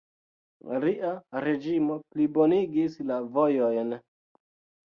Lia reĝimo plibonigis la vojojn.